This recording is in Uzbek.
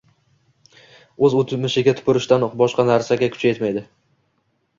O’z o‘tmishiga tupurishdan boshqa narsaga kuchi yetmaydi.